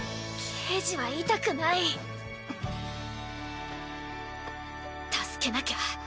刑事は痛くない助けなきゃ。